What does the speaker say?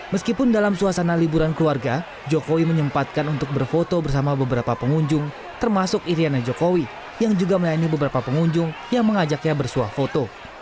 meskipun dalam suasana liburan keluarga jokowi menyempatkan untuk berfoto bersama beberapa pengunjung termasuk iryana jokowi yang juga melayani beberapa pengunjung yang mengajaknya bersuah foto